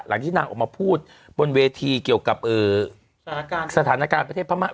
ที่นางออกมาพูดบนเวทีเกี่ยวกับสถานการณ์ประเทศพม่า